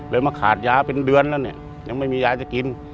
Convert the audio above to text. มาขาดยาเป็นเดือนแล้วเนี่ยยังไม่มียายจะกิน